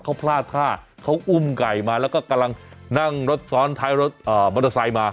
เขาพลาดท่าเขาอุ้มไก่มาแล้วก็กำลังนั่งรถซ้อนท้ายรถมอเตอร์ไซค์มา